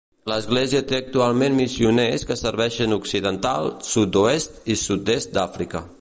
L'església té actualment missioners que serveixen occidental, Sud-oest i sud-est d'Àfrica.